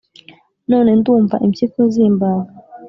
None ndumva impyiko zimbaga,